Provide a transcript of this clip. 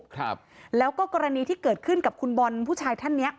ครับแล้วก็กรณีที่เกิดขึ้นกับคุณบอลผู้ชายท่านเนี้ย